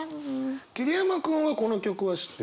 桐山君はこの曲は知ってる？